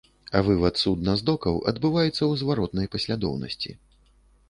Вывад судна з докаў адбываецца ў зваротнай паслядоўнасці.